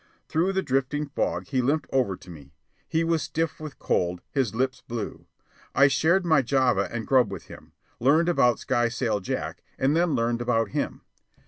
Through the drifting fog he limped over to me. He was stiff with cold, his lips blue. I shared my Java and grub with him, learned about Skysail Jack, and then learned about him.